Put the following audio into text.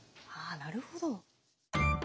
あなるほど。